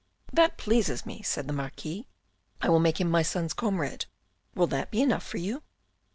" That pleases me," said the Marquis. " I will make him my son's comrade. Will that be enough for you